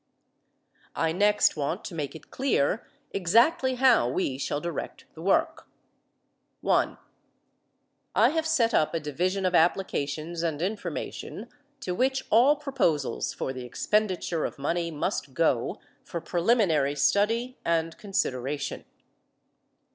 I next want to make it clear exactly how we shall direct the work. (1) I have set up a Division of Applications and Information to which all proposals for the expenditure of money must go for preliminary study and consideration.